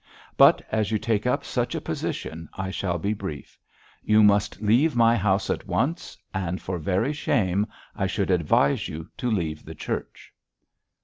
But as you take up such a position, I shall be brief. You must leave my house at once, and, for very shame, I should advise you to leave the Church.'